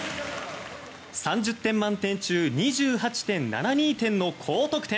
３０点満点中２８．７２点の高得点！